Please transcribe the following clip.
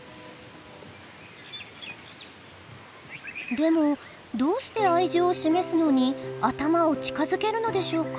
でもどうして愛情を示すのに頭を近づけるのでしょうか？